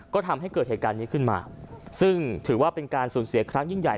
ก็ทำให้เกิดเหตุการณ์นี้ขึ้นมาซึ่งถือว่าเป็นการสูญเสียครั้งยิ่งใหญ่